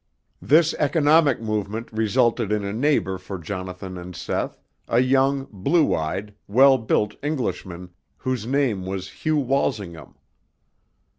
This economic movement resulted in a neighbor for Jonathan and Seth, a young, blue eyed, well built Englishman, whose name was Hugh Walsingham.